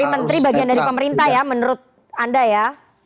menteri bagian dari pemerintah ya menurut anda ya